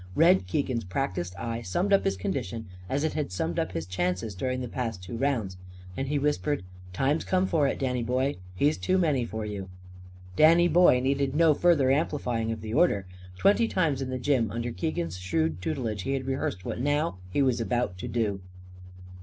Red Keegan's practised eye summed up his condition as it had summed up his chances during the past two rounds. And he whispered: "Time's come for it, Danny boy! He's too many for you." Danny boy needed no further amplifying of the order. Twenty times in the gym, under Keegan's shrewd tutelage, he had rehearsed what now he was about to do.